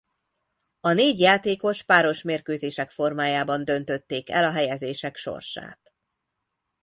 A négy játékos páros mérkőzések formájában döntötték el a helyezések sorsát.